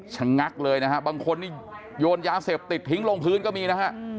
ชะงักเลยนะฮะบางคนนี่โยนยาเสพติดทิ้งลงพื้นก็มีนะฮะ